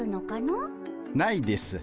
ないです。